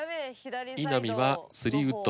稲見は３ウッド。